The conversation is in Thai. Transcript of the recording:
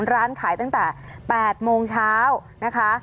ร้านขายตั้งแต่๘โมงเช้านะคะ